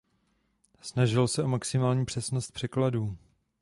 Snažil se o maximální přesnost překladů.